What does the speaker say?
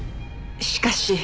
しかし。